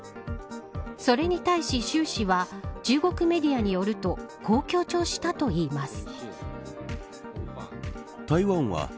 それに対し習氏は中国メディアによるとこう強調したといいます。